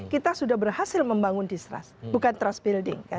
kita sudah berhasil membangun distrust bukan trust building